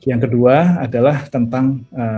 yang kedua adalah tentang